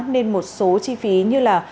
nên một số chi phí như là